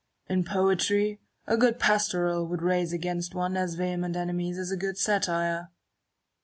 In poetry, a good pastoral would raise against one as vehement enemies as a good satire.